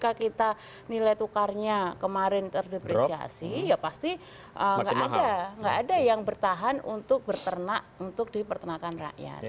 kalau kita nilai tukarnya kemarin terdepresiasi ya pasti tidak ada yang bertahan untuk berternak untuk dipertenakan rakyat